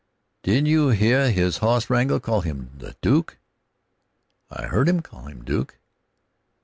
Didn't you hear his hoss wrangler call him Duke?" "I heard him call him Duke."